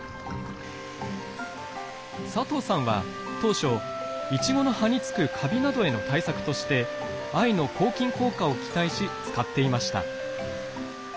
佐藤さんは当初イチゴの葉につくカビなどへの対策として藍の抗菌効果を期待し使っていました。